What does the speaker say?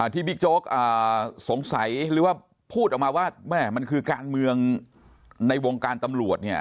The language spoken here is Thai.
บิ๊กโจ๊กสงสัยหรือว่าพูดออกมาว่าแม่มันคือการเมืองในวงการตำรวจเนี่ย